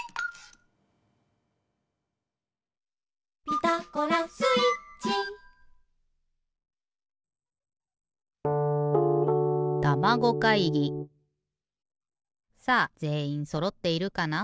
「ピタゴラスイッチ」さあぜんいんそろっているかな？